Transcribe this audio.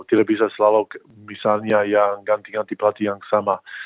tidak bisa selalu misalnya yang ganti ganti pelatih yang sama